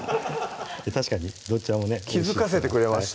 確かにどちらもね気付かせてくれました